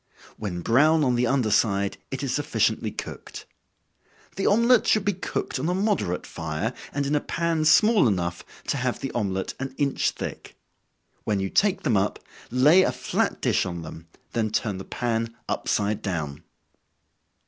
When brown on the under side, it is sufficiently cooked. The omelet should be cooked on a moderate fire, and in a pan small enough, to have the omelet an inch thick. When you take them up, lay a flat dish on them, then turn the pan upside down.